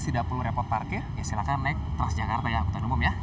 tidak perlu repot parkir ya silakan naik transjakarta ya angkutan umum ya